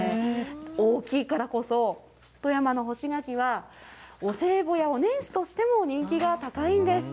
大きいからこそ、富山の干し柿はお歳暮やお年始としても人気が高いんです。